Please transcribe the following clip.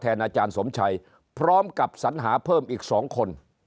อาจารย์สมชัยพร้อมกับสัญหาเพิ่มอีก๒คน